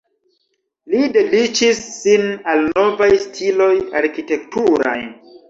Li dediĉis sin al novaj stiloj arkitekturaj.